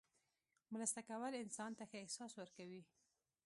مرسته کول انسان ته ښه احساس ورکوي.